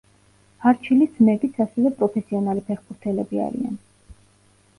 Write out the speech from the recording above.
არჩილის ძმებიც ასევე პროფესიონალი ფეხბურთელები არიან.